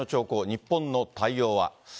日本の対応は。